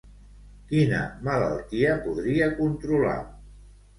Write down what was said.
Quina malaltia podria controlar?